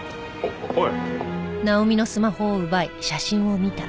おい。